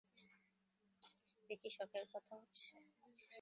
এ কি শখের কথা হচ্ছে?